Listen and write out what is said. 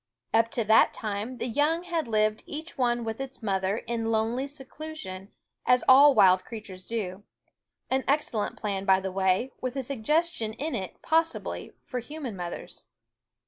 Up to that time the young had lived each one with its mother in lonely seclusion, as all wild creatures do, an excellent plan, by the way, with a suggestion in it, possibly, for human mothers.